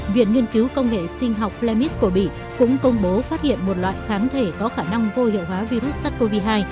viện nghiên cứu công nghệ sinh học lemis của mỹ cũng công bố phát hiện một loại kháng thể có khả năng vô hiệu hóa virus sát covid một mươi chín